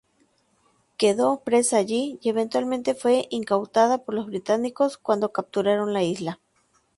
Q"uedó presa allí y eventualmente fue incautada por los británicos cuando capturaron la isla.